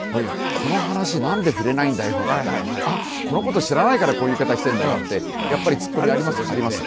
この話なんで触れないんだよとかこのこと知らないからこういう言い方してんだなってやっぱり突っ込みありますあります。